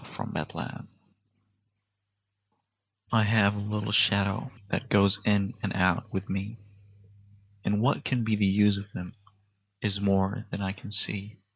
[Pg 20] MY SHADOW I have a little shadow that goes in and out with me, And what can be the use of him is more than I can see.